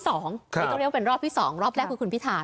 ต้องเรียกว่าเป็นรอบที่๒รอบแรกคือคุณพิธา